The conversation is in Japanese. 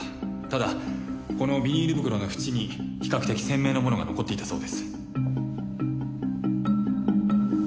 ただこのビニール袋の縁に比較的鮮明なものが残っていたそうです。